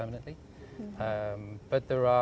ada banyak keuntungan